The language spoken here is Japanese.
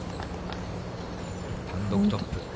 単独トップ。